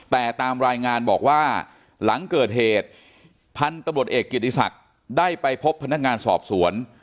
แต่ตามรายงานบอกว่าหลังเกิดเหตุพันธุ์ตำรวจเอกเกียรติศักดิ์ได้ไปพบพนักงานสอบสวน